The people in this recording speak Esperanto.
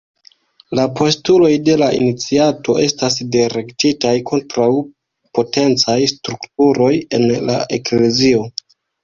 La postuloj de la iniciato estas direktitaj kontraŭ potencaj strukturoj en la eklezio.